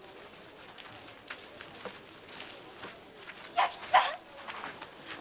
弥吉さん